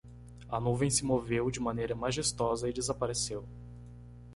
A nuvem se moveu de maneira majestosa e desapareceu.